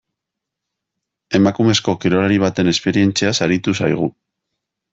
Emakumezko kirolari baten esperientziaz aritu zaigu.